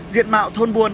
diện mạo thôn buôn